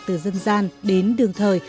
từ dân gian đến đường thời